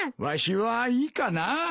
わしはいいかな。